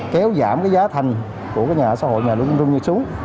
kéo giảm giá thành của nhà xã hội nhà luân trung như xuống